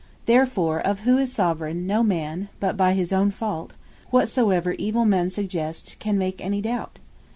Therefore of who is Soveraign, no man, but by his own fault, (whatsoever evill men suggest,) can make any doubt.